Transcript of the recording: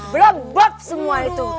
bele beb semua itu